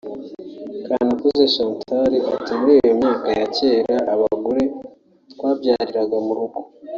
Kanakuze Chantal ati “Muri iyo myaka ya kera abagore twabyariraga mu rugo